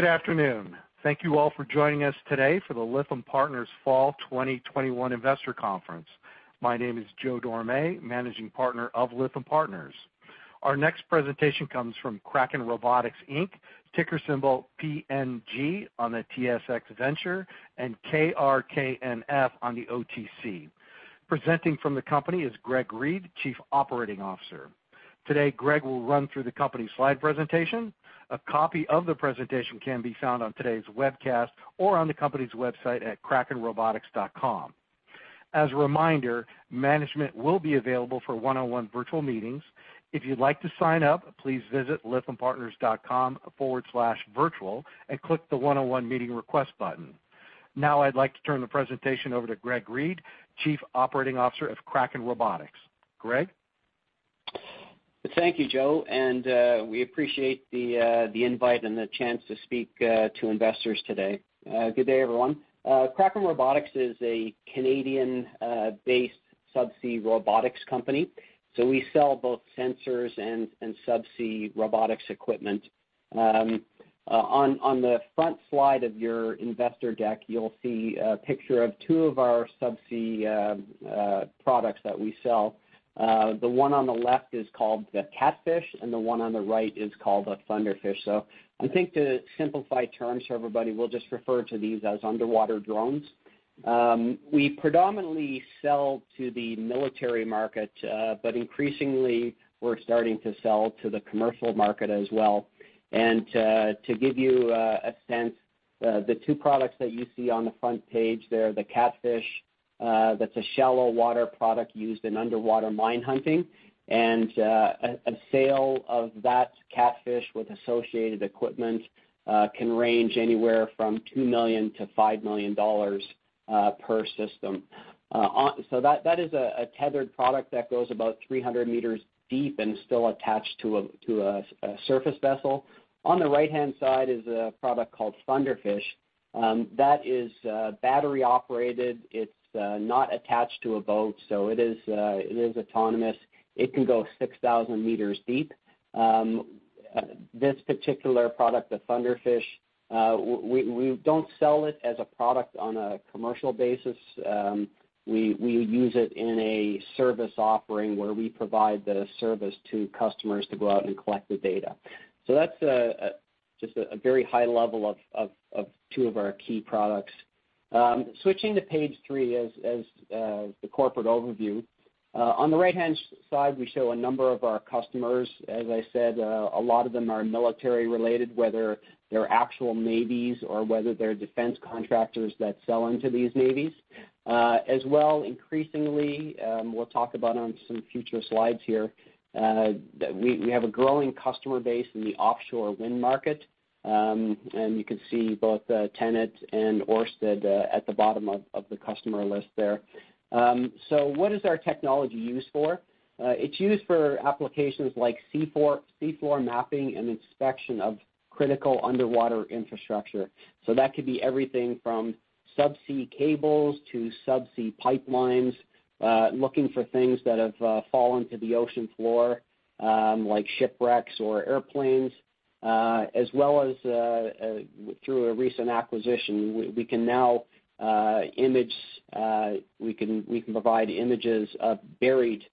Good afternoon. Thank you all for joining us today for the Lytham Partners Fall 2021 Investor Conference. My name is Joe Dorame, Managing Partner of Lytham Partners. Our next presentation comes from Kraken Robotics Inc., ticker symbol PNG on the TSX Venture and KRKNF on the OTC. Presenting from the company is Greg Reid, Chief Operating Officer. Today, Greg will run through the company's slide presentation. A copy of the presentation can be found on today's webcast or on the company's website at krakenrobotics.com. As a reminder, management will be available for one-on-one virtual meetings. If you'd like to sign up, please visit lythampartners.com/virtual and click the One-on-One Meeting Request button. Now I'd like to turn the presentation over to Greg Reid, Chief Operating Officer of Kraken Robotics. Greg? Thank you, Joe, and we appreciate the invite and the chance to speak to investors today. Good day, everyone. Kraken Robotics is a Canadian-based subsea robotics company. We sell both sensors and subsea robotics equipment. On the front slide of your investor deck, you will see a picture of two of our subsea products that we sell. The one on the left is called the KATFISH, and the one on the right is called a ThunderFish. I think the simplified terms for everybody, we will just refer to these as underwater drones. We predominantly sell to the military market, but increasingly we are starting to sell to the commercial market as well. To give you a sense, the two products that you see on the front page there, the KATFISH, that's a shallow water product used in underwater mine hunting, and a sale of that KATFISH with associated equipment can range anywhere from 2 million-5 million dollars per system. That is a tethered product that goes about 300 meters deep and still attached to a surface vessel. On the right-hand side is a product called ThunderFish that is battery operated. It's not attached to a boat, so it is autonomous. It can go 6,000 meters deep. This particular product, the ThunderFish, we don't sell it as a product on a commercial basis. We use it in a service offering where we provide the service to customers to go out and collect the data. That's just a very high level of two of our key products. Switching to page 3 is the corporate overview. On the right-hand side, we show a number of our customers. As I said, a lot of them are military related, whether they're actual navies or whether they're defense contractors that sell into these navies. As well, increasingly, we'll talk about on some future slides here, we have a growing customer base in the offshore wind market. You can see both TenneT and Ørsted at the bottom of the customer list there. What is our technology used for? It's used for applications like seafloor mapping and inspection of critical underwater infrastructure. That could be everything from subsea cables to subsea pipelines, looking for things that have fallen to the ocean floor like shipwrecks or airplanes, as well as through a recent acquisition, we can provide images of buried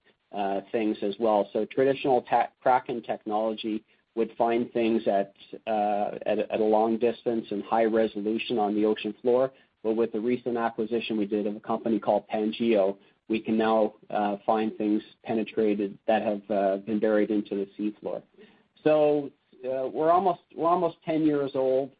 things as well. Traditional Kraken technology would find things at a long distance and high resolution on the ocean floor. With the recent acquisition we did of a company called PanGeo Subsea, we can now find things penetrated that have been buried into the seafloor. We're almost 10 years old.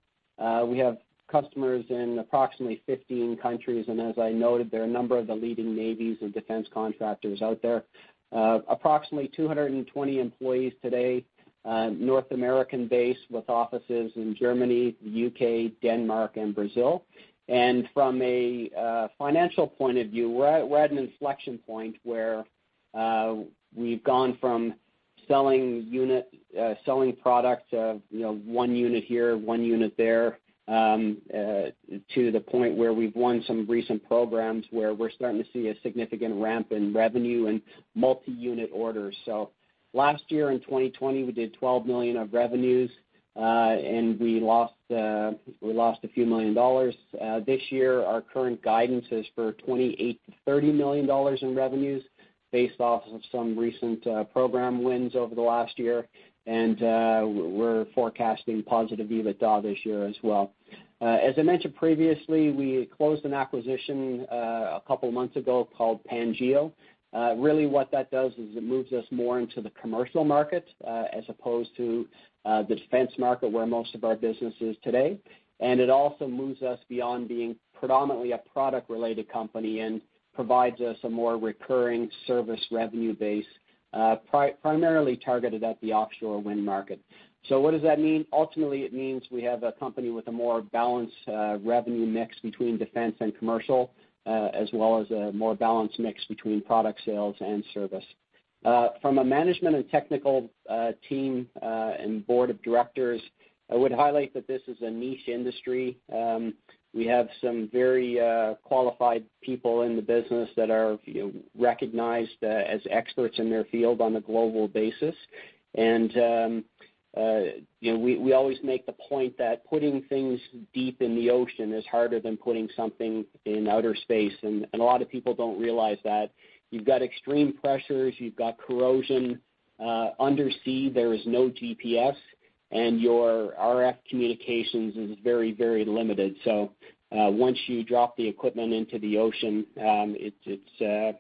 We have customers in approximately 15 countries, and as I noted, there are a number of the leading navies and defense contractors out there. Approximately 220 employees today, North American base with offices in Germany, the U.K., Denmark, and Brazil. From a financial point of view, we're at an inflection point where we've gone from selling products, one unit here, one unit there, to the point where we've won some recent programs where we're starting to see a significant ramp in revenue and multi-unit orders. Last year in 2020, we did 12 million of revenues, and we lost a few million CAD. This year, our current guidance is for 28 million-30 million dollars in revenues based off of some recent program wins over the last year. We're forecasting positive EBITDA this year as well. As I mentioned previously, we closed an acquisition a couple of months ago called PanGeo. Really what that does is it moves us more into the commercial market as opposed to the defense market where most of our business is today. It also moves us beyond being predominantly a product-related company and provides us a more recurring service revenue base, primarily targeted at the offshore wind market. What does that mean? Ultimately, it means we have a company with a more balanced revenue mix between defense and commercial, as well as a more balanced mix between product sales and service. From a management and technical team and board of directors, I would highlight that this is a niche industry. We have some very qualified people in the business that are recognized as experts in their field on a global basis. We always make the point that putting things deep in the ocean is harder than putting something in outer space, and a lot of people don't realize that. You've got extreme pressures, you've got corrosion. Undersea, there is no GPS, and your RF communications is very limited. Once you drop the equipment into the ocean, it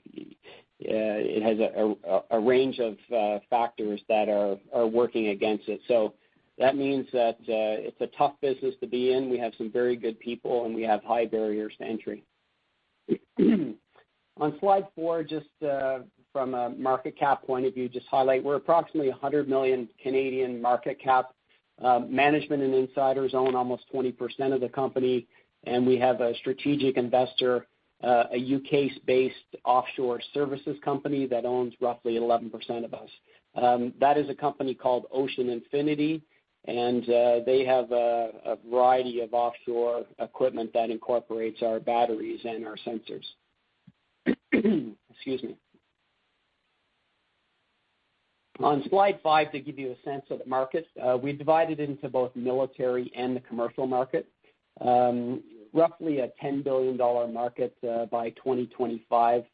has a range of factors that are working against it. That means that it's a tough business to be in. We have some very good people, and we have high barriers to entry. On slide four, just from a market cap point of view, just highlight we're approximately 100 million market cap. Management and insiders own almost 20% of the company, and we have a strategic investor, a U.K.-based offshore services company that owns roughly 11% of us. That is a company called Ocean Infinity, and they have a variety of offshore equipment that incorporates our batteries and our sensors. Excuse me. On slide five, to give you a sense of the market. We divide it into both military and the commercial market. Roughly a CAD 10 billion market by 2025.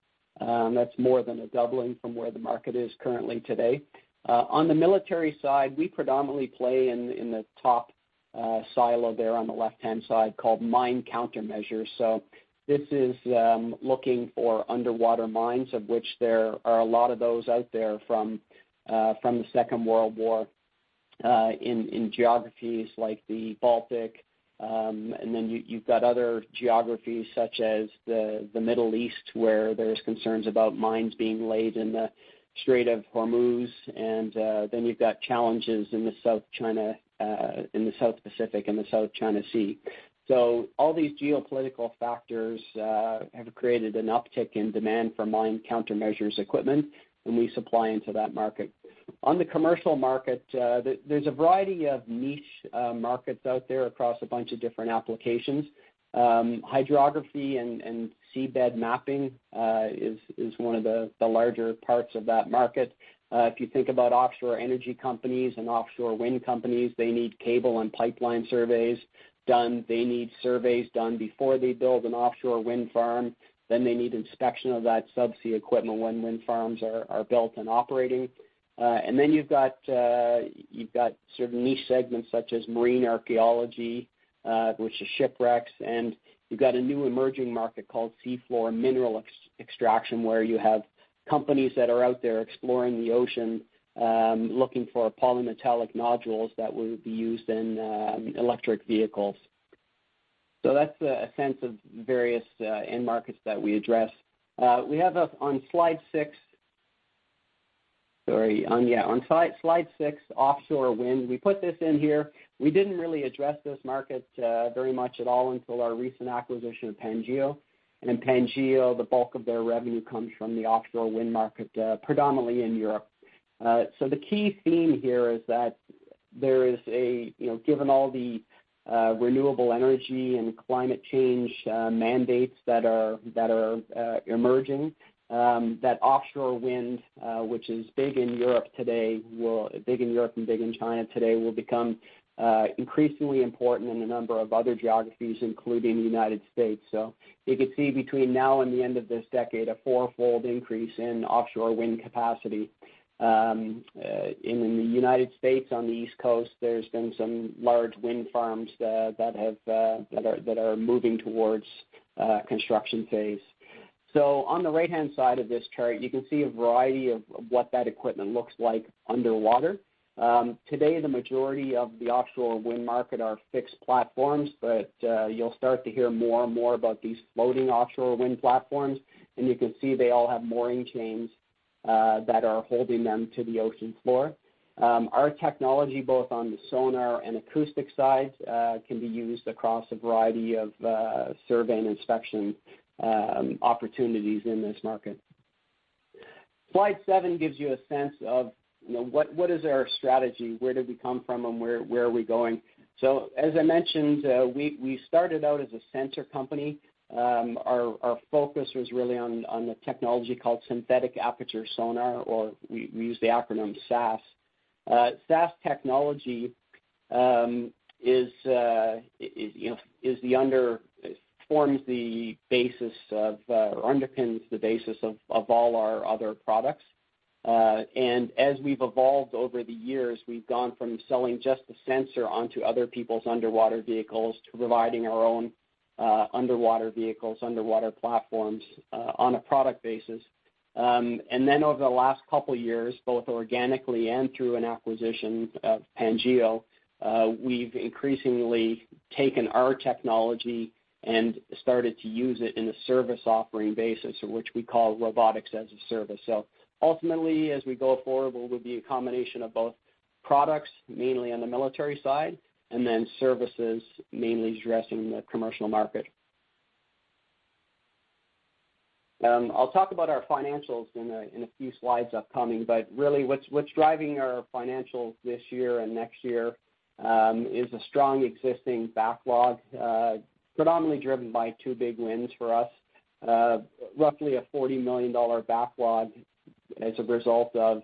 That's more than a doubling from where the market is currently today. On the military side, we predominantly play in the top silo there on the left-hand side called mine countermeasures. This is looking for underwater mines, of which there are a lot of those out there from the Second World War, in geographies like the Baltic. You've got other geographies, such as the Middle East, where there's concerns about mines being laid in the Strait of Hormuz, and you've got challenges in the South Pacific and the South China Sea. All these geopolitical factors have created an uptick in demand for mine countermeasures equipment, and we supply into that market. On the commercial market, there's a variety of niche markets out there across a bunch of different applications. hydrography and seabed mapping is one of the larger parts of that market. If you think about offshore energy companies and offshore wind companies, they need cable and pipeline surveys done. They need surveys done before they build an offshore wind farm, then they need inspection of that sub-sea equipment when wind farms are built and operating. Then you've got certain niche segments such as marine archaeology which is shipwrecks. You've got a new emerging market called seafloor mineral extraction, where you have companies that are out there exploring the ocean, looking for polymetallic nodules that would be used in electric vehicles. That's a sense of various end markets that we address. On slide 6, offshore wind. We put this in here. We didn't really address this market very much at all until our recent acquisition of PanGeo. PanGeo, the bulk of their revenue comes from the offshore wind market predominantly in Europe. The key theme here is that given all the renewable energy and climate change mandates that are emerging, that offshore wind, which is big in Europe and big in China today, will become increasingly important in a number of other geographies, including the U.S. You could see between now and the end of this decade, a 4-fold increase in offshore wind capacity. In the U.S. on the East Coast, there's been some large wind farms that are moving towards construction phase. On the right-hand side of this chart, you can see a variety of what that equipment looks like underwater. Today, the majority of the offshore wind market are fixed platforms, but you'll start to hear more and more about these floating offshore wind platforms, and you can see they all have mooring chains that are holding them to the ocean floor. Our technology, both on the sonar and acoustic sides, can be used across a variety of survey and inspection opportunities in this market. Slide seven gives you a sense of what is our strategy, where did we come from, and where are we going. As I mentioned, we started out as a sensor company. Our focus was really on the technology called synthetic aperture sonar, or we use the acronym SAS. SAS technology forms the basis of, or underpins the basis of all our other products. As we've evolved over the years, we've gone from selling just the sensor onto other people's underwater vehicles to providing our own underwater vehicles, underwater platforms, on a product basis. Over the last couple of years, both organically and through an acquisition of PanGeo Subsea, we've increasingly taken our technology and started to use it in a service offering basis, which we call robotics as a service. Ultimately, as we go forward, we will be a combination of both products, mainly on the military side, and then services, mainly addressing the commercial market. I'll talk about our financials in a few slides upcoming, but really what's driving our financials this year and next year is a strong existing backlog predominantly driven by two big wins for us. Roughly a 40 million dollar backlog as a result of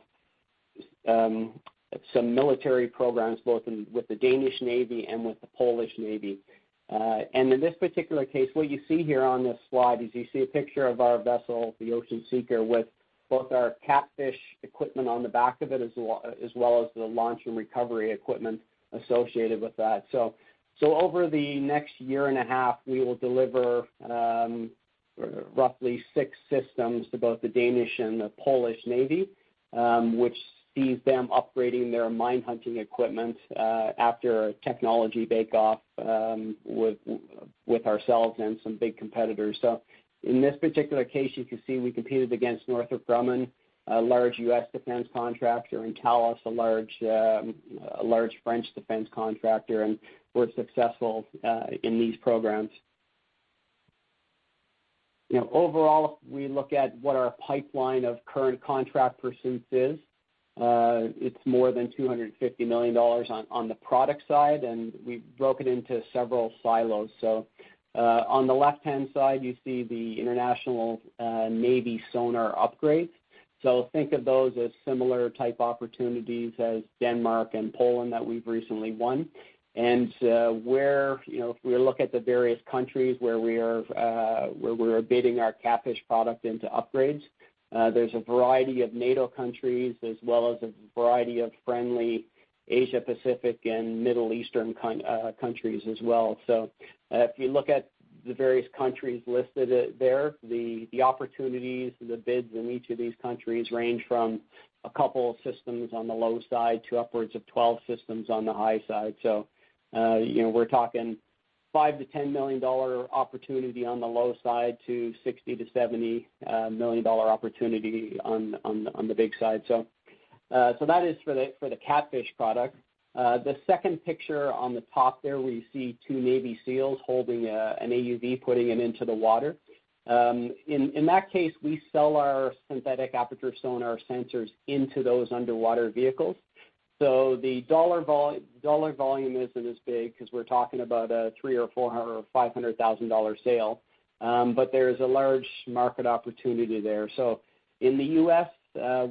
some military programs, both with the Danish Navy and with the Polish Navy. In this particular case, what you see here on this slide is you see a picture of our vessel, the Ocean Seeker, with both our KATFISH equipment on the back of it, as well as the launch and recovery equipment associated with that. Over the next year and a half, we will deliver roughly six systems to both the Danish and the Polish Navy, which sees them upgrading their mine hunting equipment after a technology bake off with ourselves and some big competitors. In this particular case, you can see we competed against Northrop Grumman, a large U.S. defense contractor, and Thales, a large French defense contractor, and were successful in these programs. Overall, we look at what our pipeline of current contract pursuits is. It is more than 250 million dollars on the product side, and we have broken into several silos. On the left-hand side, you see the international navy sonar upgrades. Think of those as similar type opportunities as Denmark and Poland that we have recently won. If we look at the various countries where we are bidding our KATFISH product into upgrades, there is a variety of NATO countries, as well as a variety of friendly Asia-Pacific and Middle Eastern countries as well. If you look at the various countries listed there, the opportunities, the bids in each of these countries range from two systems on the low side to upwards of 12 systems on the high side. We are talking 5 million-10 million dollar opportunity on the low side to 60 million-70 million dollar opportunity on the big side. That is for the KATFISH product. The second picture on the top there, where you see two Navy SEALs holding an AUV, putting it into the water. In that case, we sell our synthetic aperture sonar sensors into those underwater vehicles. The dollar volume isn't as big because we're talking about a 300,000 or 400,000 or 500,000 dollar sale. There is a large market opportunity there. In the U.S.,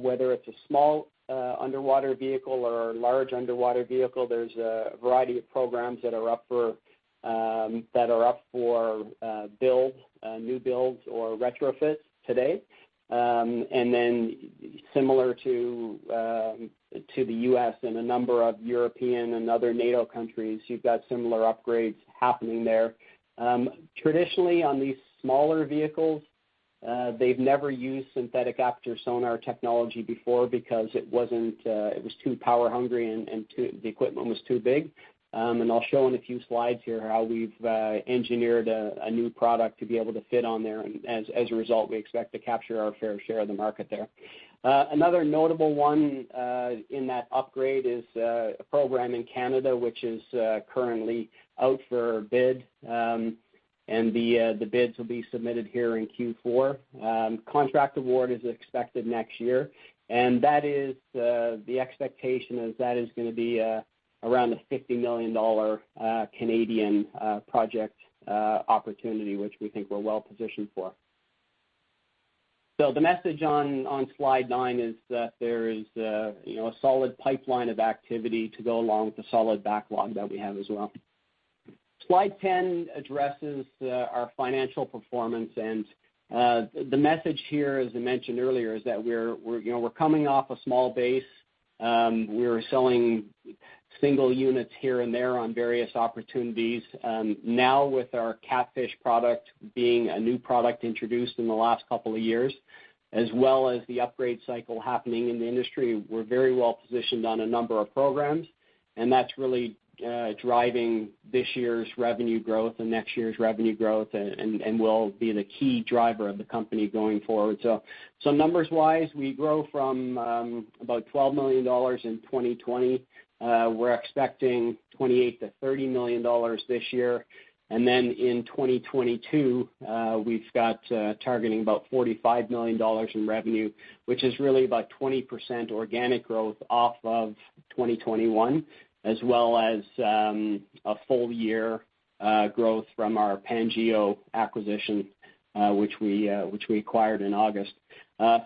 whether it's a small underwater vehicle or a large underwater vehicle, there's a variety of programs that are up for build, new builds or retrofits today. Similar to the U.S. and a number of European and other NATO countries, you've got similar upgrades happening there. Traditionally, on these smaller vehicles, they've never used synthetic aperture sonar technology before because it was too power hungry and the equipment was too big. I'll show in a few slides here how we've engineered a new product to be able to fit on there. As a result, we expect to capture our fair share of the market there. Another notable one in that upgrade is a program in Canada, which is currently out for bid. The bids will be submitted here in Q4. Contract award is expected next year, and the expectation is that is going to be around a 50 million Canadian dollars project opportunity, which we think we're well positioned for. The message on slide 9 is that there is a solid pipeline of activity to go along with the solid backlog that we have as well. Slide 10 addresses our financial performance. The message here, as I mentioned earlier, is that we're coming off a small base. We're selling single units here and there on various opportunities. With our KATFISH product being a new product introduced in the last couple of years, as well as the upgrade cycle happening in the industry, we're very well positioned on a number of programs, and that's really driving this year's revenue growth and next year's revenue growth and will be the key driver of the company going forward. Numbers wise, we grow from about 12 million dollars in 2020. We're expecting 28 million-30 million dollars this year. In 2022, we've got targeting about 45 million dollars in revenue, which is really about 20% organic growth off of 2021, as well as a full year growth from our PanGeo acquisition which we acquired in August.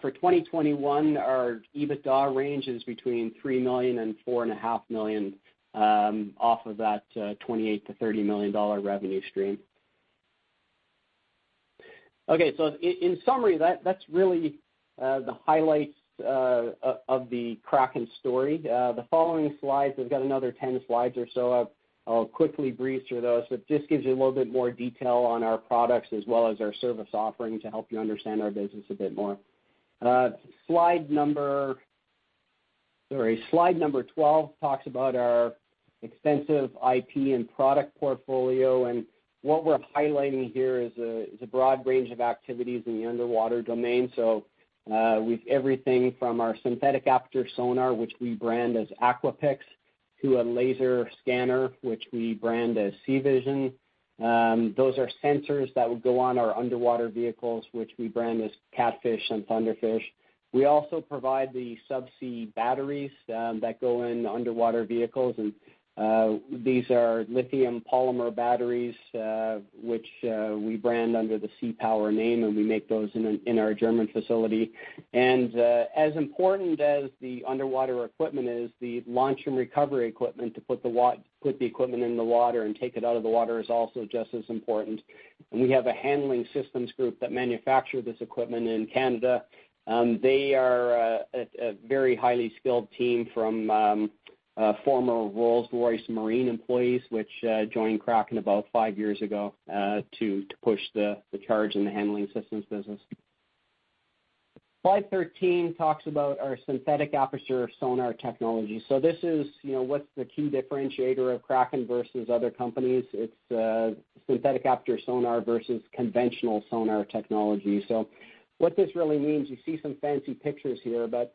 For 2021, our EBITDA range is between 3 million and 4.5 million off of that 28 million-30 million dollar revenue stream. In summary, that's really the highlights of the Kraken story. The following slides, we've got another 10 slides or so up. I'll quickly breeze through those. It just gives you a little bit more detail on our products as well as our service offering to help you understand our business a bit more. Slide number 12 talks about our extensive IP and product portfolio. What we're highlighting here is a broad range of activities in the underwater domain. With everything from our synthetic aperture sonar, which we brand as AquaPix, to a laser scanner, which we brand as SeaVision. Those are sensors that would go on our underwater vehicles, which we brand as KATFISH and ThunderFish. We also provide the subsea batteries that go in underwater vehicles. These are lithium polymer batteries, which we brand under the SeaPower name, and we make those in our German facility. As important as the underwater equipment is, the launch and recovery equipment to put the equipment in the water and take it out of the water is also just as important. We have a handling systems group that manufacture this equipment in Canada. They are a very highly skilled team from former Rolls-Royce Marine employees, which joined Kraken about five years ago to push the charge in the handling systems business. Slide 13 talks about our synthetic aperture sonar technology. This is what's the key differentiator of Kraken versus other companies. It's synthetic aperture sonar versus conventional sonar technology. What this really means, you see some fancy pictures here, but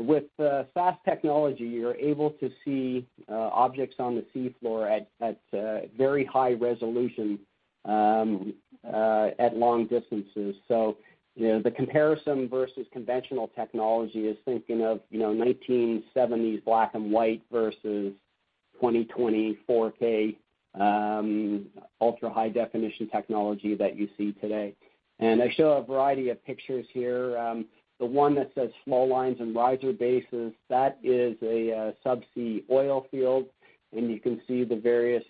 with SAS technology, you're able to see objects on the sea floor at very high resolution at long distances. The comparison versus conventional technology is thinking of 1970s black and white versus 2020 4K ultra-high definition technology that you see today. I show a variety of pictures here. The one that says flow lines and riser bases, that is a subsea oil field, and you can see the various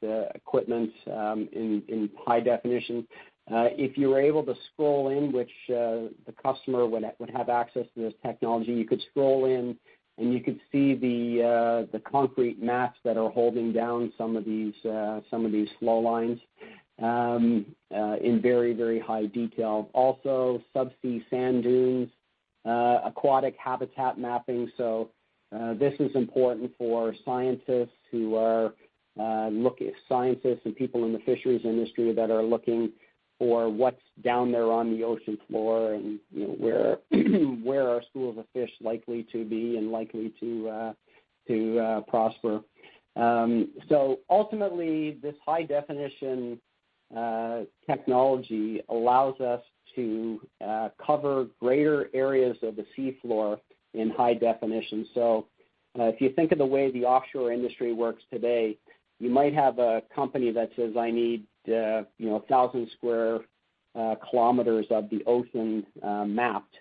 equipments in high definition. If you were able to scroll in, which the customer would have access to this technology, you could scroll in and you could see the concrete mats that are holding down some of these flow lines in very high detail. Subsea sand dunes, aquatic habitat mapping. This is important for scientists and people in the fisheries industry that are looking for what's down there on the ocean floor and where are schools of fish likely to be and likely to prosper. Ultimately, this high-definition technology allows us to cover greater areas of the seafloor in high-definition. If you think of the way the offshore industry works today, you might have a company that says, "I need 1,000 square kilometers of the ocean mapped."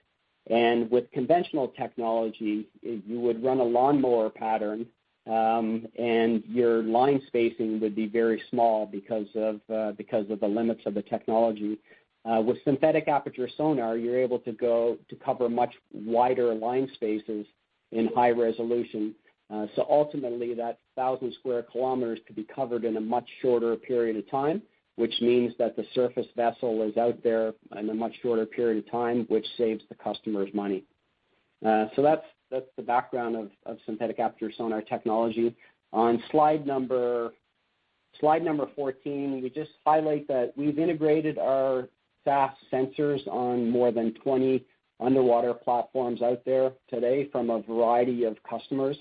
With conventional technology, you would run a lawnmower pattern, and your line spacing would be very small because of the limits of the technology. With synthetic aperture sonar, you're able to cover much wider line spaces in high-resolution. Ultimately, that 1,000 square kilometers could be covered in a much shorter period of time, which means that the surface vessel is out there in a much shorter period of time, which saves the customers money. That's the background of synthetic aperture sonar technology. On slide number 14, we just highlight that we've integrated our SAS sensors on more than 20 underwater platforms out there today from a variety of customers.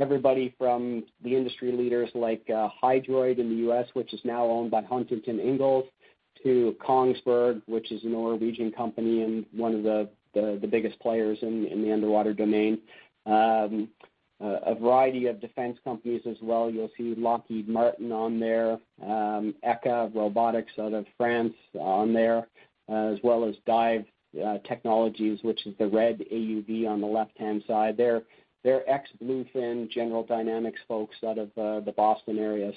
Everybody from the industry leaders like Hydroid in the U.S., which is now owned by Huntington Ingalls, to Kongsberg, which is a Norwegian company and one of the biggest players in the underwater domain. A variety of defense companies as well. You'll see Lockheed Martin on there, ECA Group out of France on there, as well as Dive Technologies, which is the red AUV on the left-hand side. They're ex Bluefin General Dynamics folks out of the Boston area.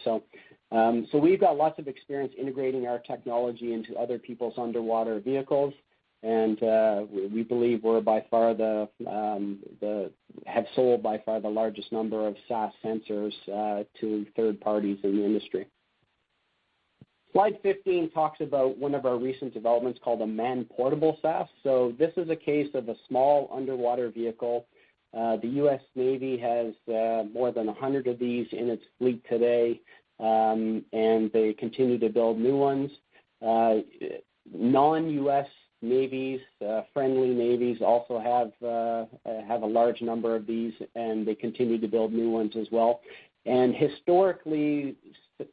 We've got lots of experience integrating our technology into other people's underwater vehicles, and we believe we have sold by far the largest number of SAS sensors to third parties in the industry. Slide 15 talks about one of our recent developments called a Man-Portable SAS. This is a case of a small underwater vehicle. The U.S. Navy has more than 100 of these in its fleet today, and they continue to build new ones. Non-U.S. navies, friendly navies also have a large number of these, and they continue to build new ones as well. Historically, no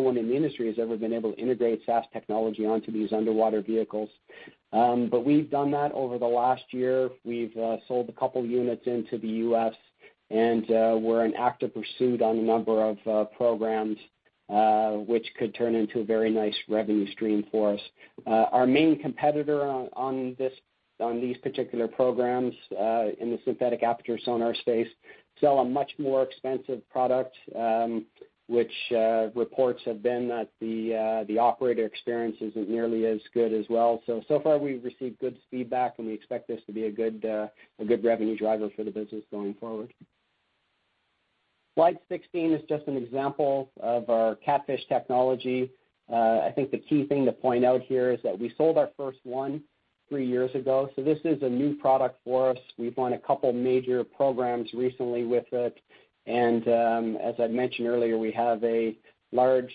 one in the industry has ever been able to integrate SAS technology onto these underwater vehicles, but we've done that over the last year. We've sold a couple units into the U.S., and we're in active pursuit on a number of programs, which could turn into a very nice revenue stream for us. Our main competitor on these particular programs, in the synthetic aperture sonar space, sell a much more expensive product, which reports have been that the operator experience isn't nearly as good as well. So far we've received good feedback, and we expect this to be a good revenue driver for the business going forward. Slide 16 is just an example of our KATFISH technology. I think the key thing to point out here is that we sold our first one three years ago. This is a new product for us. We've won a couple major programs recently with it. As I mentioned earlier, we have a large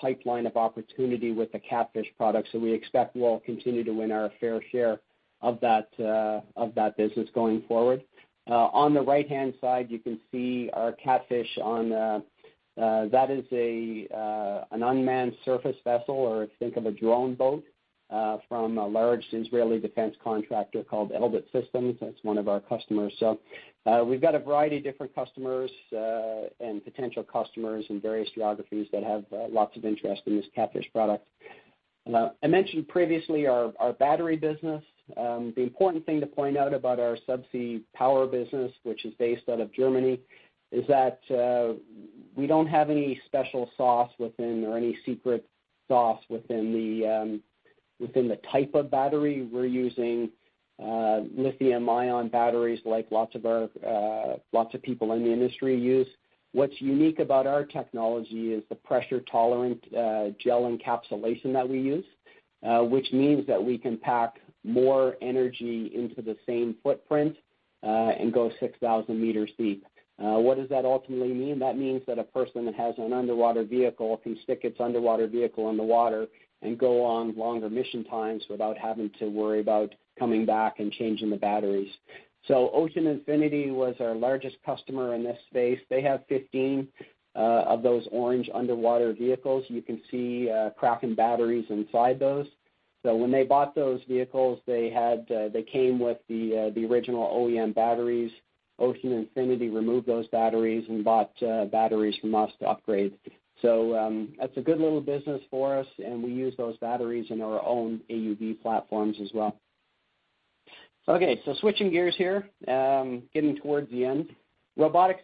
pipeline of opportunity with the KATFISH product. We expect we'll continue to win our fair share of that business going forward. On the right-hand side, you can see our KATFISH. That is an unmanned surface vessel, or think of a drone boat, from a large Israeli defense contractor called Elbit Systems. That's one of our customers. We've got a variety of different customers and potential customers in various geographies that have lots of interest in this KATFISH product. I mentioned previously our battery business. The important thing to point out about our subsea power business, which is based out of Germany, is that we don't have any special sauce within or any secret sauce within the type of battery. We're using lithium-ion batteries like lots of people in the industry use. What's unique about our technology is the pressure-tolerant gel encapsulation that we use, which means that we can pack more energy into the same footprint and go 6,000 meters deep. What does that ultimately mean? That means that a person that has an underwater vehicle can stick its underwater vehicle in the water and go on longer mission times without having to worry about coming back and changing the batteries. Ocean Infinity was our largest customer in this space. They have 15 of those orange underwater vehicles. You can see Kraken batteries inside those. When they bought those vehicles, they came with the original OEM batteries. Ocean Infinity removed those batteries and bought batteries from us to upgrade. That's a good little business for us, and we use those batteries in our own AUV platforms as well. Switching gears here, getting towards the end. Robotics.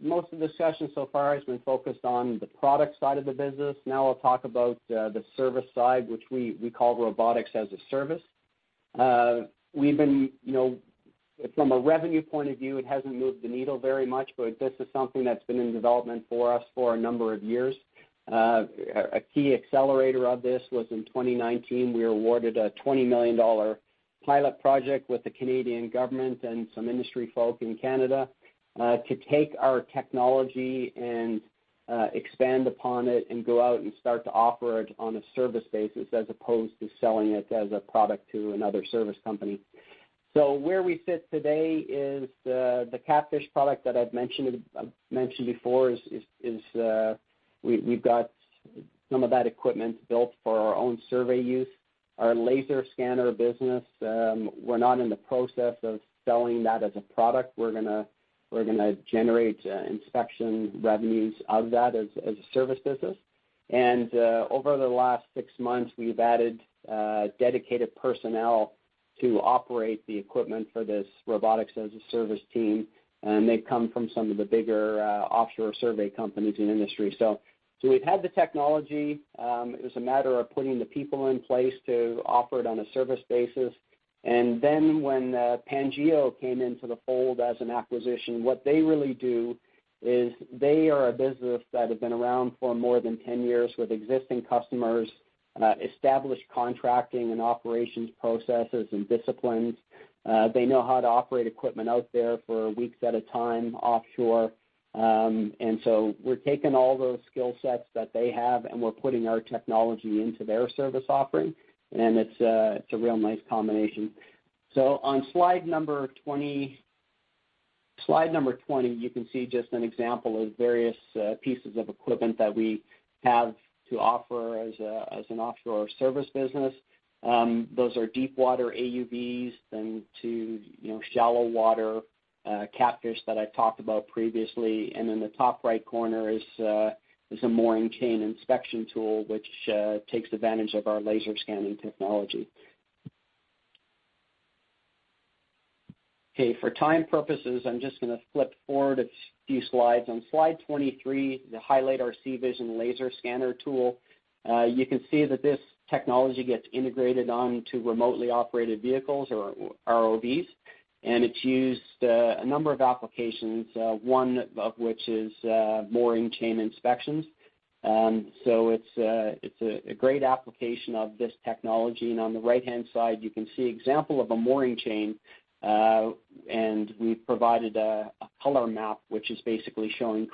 Most of the session so far has been focused on the product side of the business. Now I'll talk about the service side, which we call robotics as a service. From a revenue point of view, it hasn't moved the needle very much, but this is something that's been in development for us for a number of years. A key accelerator of this was in 2019, we were awarded a 20 million dollar pilot project with the Canadian government and some industry folk in Canada to take our technology and expand upon it and go out and start to offer it on a service basis as opposed to selling it as a product to another service company. Where we sit today is the KATFISH product that I've mentioned before is we've got some of that equipment built for our own survey use. Our laser scanner business, we're not in the process of selling that as a product. We're going to generate inspection revenues of that as a service business. Over the last six months, we've added dedicated personnel to operate the equipment for this robotics as a service team, and they've come from some of the bigger offshore survey companies in the industry. We've had the technology. It was a matter of putting the people in place to offer it on a service basis. When PanGeo came into the fold as an acquisition, what they really do is they are a business that had been around for more than 10 years with existing customers, established contracting and operations processes and disciplines. They know how to operate equipment out there for weeks at a time offshore. We're taking all those skill sets that they have, and we're putting our technology into their service offering, and it's a real nice combination. On slide number 20, you can see just an example of various pieces of equipment that we have to offer as an offshore service business. Those are deep water AUVs then to shallow water KATFISH that I talked about previously. In the top right corner is a mooring chain inspection tool, which takes advantage of our laser scanning technology. Okay, for time purposes, I'm just going to flip forward a few slides. On slide 23, to highlight our SeaVision laser scanner tool. You can see that this technology gets integrated onto remotely operated vehicles or ROVs, and it's used a number of applications, one of which is mooring chain inspections. It's a great application of this technology. On the right-hand side, you can see an example of a mooring chain, and we've provided a color map, which is basically showing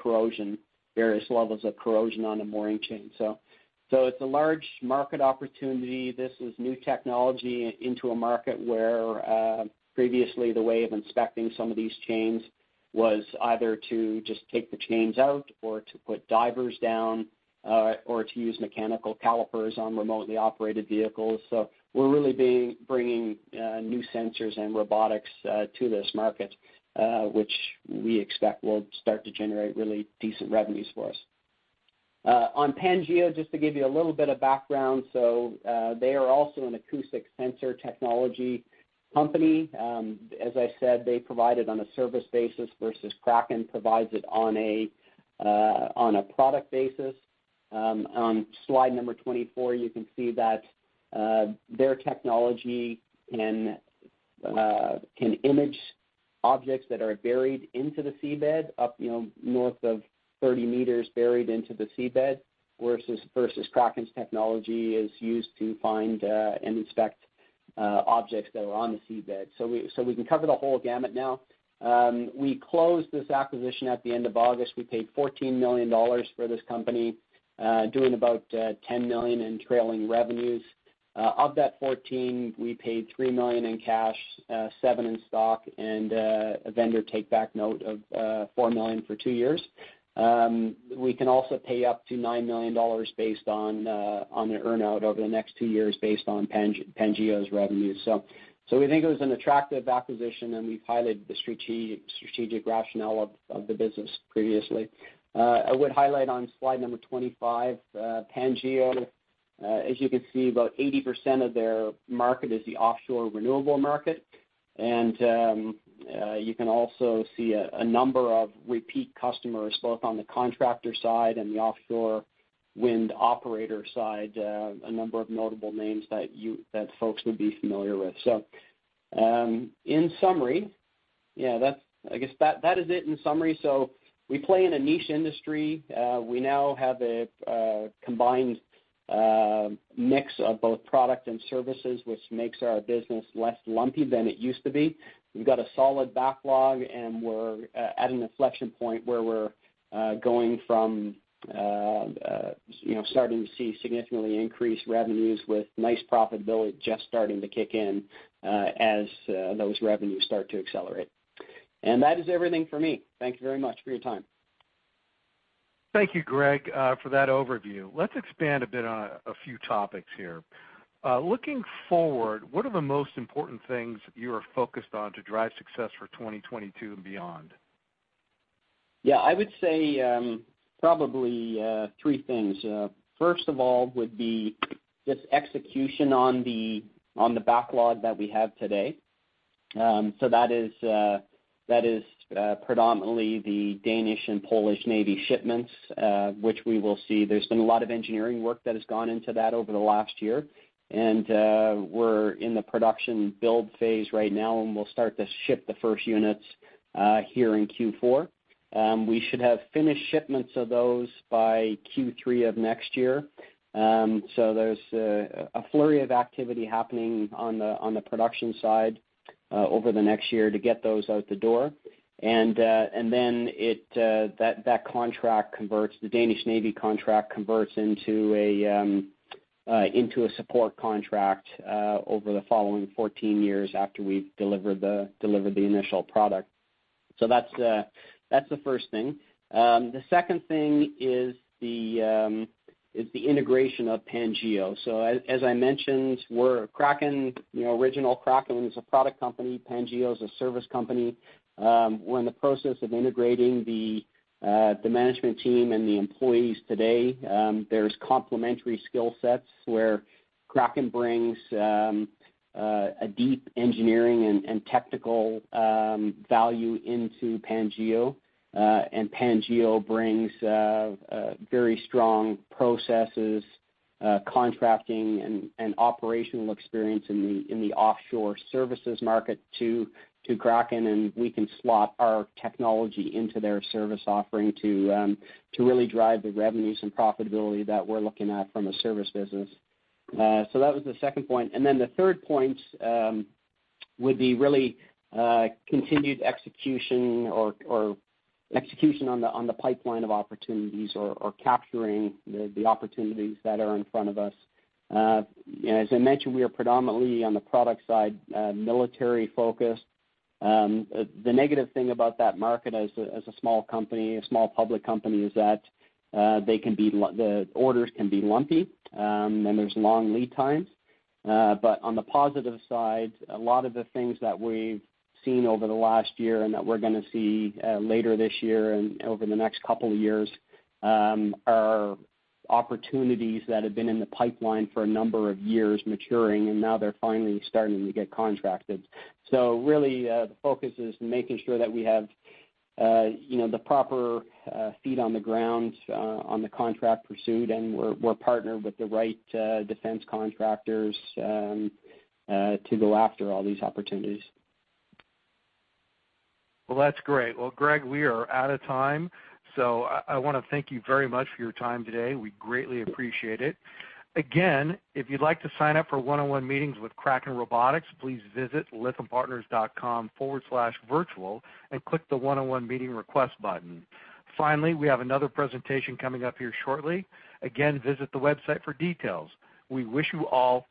various levels of corrosion on a mooring chain. It's a large market opportunity. This is new technology into a market where previously the way of inspecting some of these chains was either to just take the chains out or to put divers down or to use mechanical calipers on remotely operated vehicles. We're really bringing new sensors and robotics to this market which we expect will start to generate really decent revenues for us. On PanGeo, just to give you a little bit of background. They are also an acoustic sensor technology company. As I said, they provide it on a service basis versus Kraken provides it on a product basis. On slide number 24, you can see that their technology can image objects that are buried into the seabed up north of 30 meters buried into the seabed, versus Kraken's technology is used to find and inspect objects that are on the seabed. We can cover the whole gamut now. We closed this acquisition at the end of August. We paid 14 million dollars for this company, doing about 10 million in trailing revenues. Of that 14 million, we paid 3 million in cash, 7 million in stock, and a vendor take-back note of 4 million for two years. We can also pay up to 9 million dollars based on the earn-out over the next two years based on PanGeo's revenues. We think it was an attractive acquisition, and we've highlighted the strategic rationale of the business previously. I would highlight on slide number 25, PanGeo, as you can see, about 80% of their market is the offshore renewable market. You can also see a number of repeat customers, both on the contractor side and the offshore wind operator side, a number of notable names that folks would be familiar with. In summary, I guess that is it in summary. We play in a niche industry. We now have a combined mix of both product and services, which makes our business less lumpy than it used to be. We've got a solid backlog, and we're at an inflection point where we're going from starting to see significantly increased revenues with nice profitability just starting to kick in as those revenues start to accelerate. That is everything for me. Thank you very much for your time. Thank you, Greg, for that overview. Let's expand a bit on a few topics here. Looking forward, what are the most important things you are focused on to drive success for 2022 and beyond? I would say probably three things. First of all, would be just execution on the backlog that we have today. That is predominantly the Danish Navy and Polish Navy shipments, which we will see. There's been a lot of engineering work that has gone into that over the last year, and we're in the production build phase right now, and we'll start to ship the first units here in Q4. We should have finished shipments of those by Q3 of next year. There's a flurry of activity happening on the production side over the next year to get those out the door. That contract converts, the Danish Navy contract converts into a support contract over the following 14 years after we've delivered the initial product. That's the first thing. The second thing is the integration of PanGeo. As I mentioned, original Kraken is a product company. PanGeo is a service company. We're in the process of integrating the management team and the employees today. There's complementary skill sets where Kraken brings a deep engineering and technical value into PanGeo, and PanGeo brings very strong processes, contracting, and operational experience in the offshore services market to Kraken, and we can slot our technology into their service offering to really drive the revenues and profitability that we're looking at from a service business. That was the second point. The third point would be really continued execution or execution on the pipeline of opportunities or capturing the opportunities that are in front of us. As I mentioned, we are predominantly on the product side, military-focused. The negative thing about that market as a small company, a small public company, is that the orders can be lumpy, and there's long lead times. On the positive side, a lot of the things that we've seen over the last year and that we're going to see later this year and over the next couple of years are opportunities that have been in the pipeline for a number of years maturing, and now they're finally starting to get contracted. Really, the focus is making sure that we have the proper feet on the ground on the contract pursuit and we're partnered with the right defense contractors to go after all these opportunities. Well, that's great. Well, Greg, we are out of time, so I want to thank you very much for your time today. We greatly appreciate it. Again, if you'd like to sign up for one-on-one meetings with Kraken Robotics, please visit lythampartners.com/virtual and click the one-on-one meeting request button. Finally, we have another presentation coming up here shortly. Again, visit the website for details. We wish you all